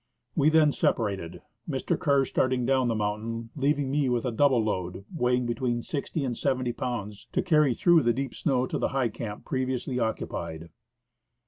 We then separated, Mr. Kerr starting down the moun tain, leaving me with a double load, weighing between sixty and seventy pounds, to carry through the deep snow to the high camp previously occupied.